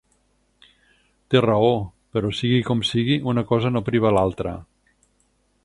Té raó, però sigui com sigui una cosa no priva l’altra.